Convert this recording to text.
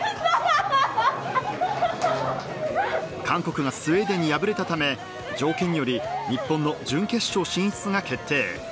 韓国がスウェーデンに敗れたため条件により日本の準決勝進出が決定。